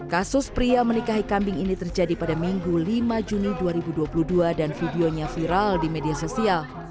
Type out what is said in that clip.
kasus pria menikahi kambing ini terjadi pada minggu lima juni dua ribu dua puluh dua dan videonya viral di media sosial